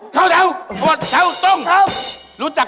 เทาไทยจก